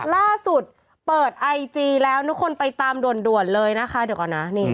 ล่าสุดเปิดไอจีแล้วทุกคนไปตามด่วนเลยนะคะเดี๋ยวก่อนนะ